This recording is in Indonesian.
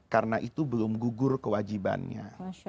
karena itu belum gugur kewajibannya